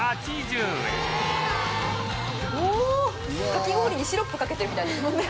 かき氷にシロップかけてるみたいですもんね。